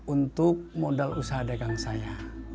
untuk modal usaha dagang saya